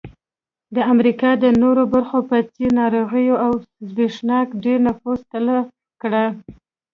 د امریکا د نورو برخو په څېر ناروغیو او زبېښاک ډېر نفوس تلف کړ.